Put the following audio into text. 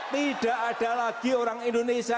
tidak ada lagi orang indonesia